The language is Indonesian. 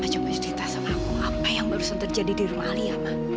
ma coba cerita sama aku apa yang baru terjadi di rumah alia ma